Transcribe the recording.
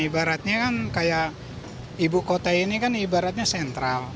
ibaratnya kan kayak ibu kota ini kan ibaratnya sentral